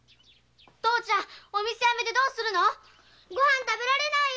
父ちゃんお店辞めてどうするの⁉ご飯食べられないよ！